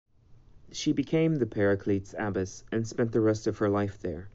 She became the Paraclete's abbess and spent the rest of her life there.